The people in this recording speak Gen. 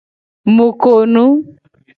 Mu ko nu.